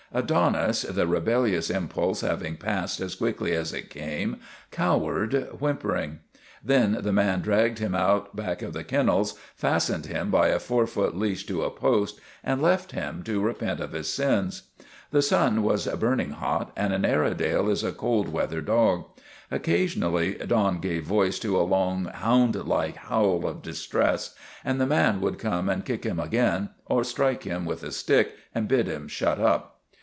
Adonis, the rebellious impulse having passed as quickly as it came, cowered, whimpering. Then the man dragged him out back of the kennels, fastened him by a four foot leash to a post, and left him to repent of his sins. The sun was burning hot and an Airedale is a cold weather dog. Occasionally Don gave voice to a long, hound like howl of distress, and the man would come and kick him again or strike him with a stick and bid him shut up.